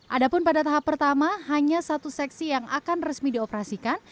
adapun pada tahap pertama hanya satu seksi yang akan resmi dioperasikan